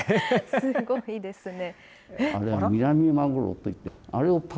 すごいですね。